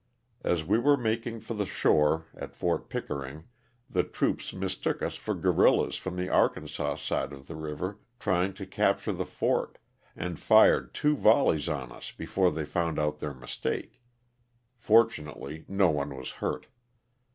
As we were making for the shore at Fort Pickering the troops mistook us for guerillas from the Arkansas side of the river trying to capture the fort and fired two volleys on us before they found out their mistake. Fortunately no one was hurt.